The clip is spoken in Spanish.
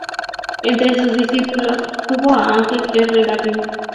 Entre sus discípulos tuvo a Ángel R. Garrido.